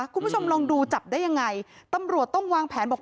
คุณผู้ชมลองดูจับได้ยังไงตำรวจต้องวางแผนบอก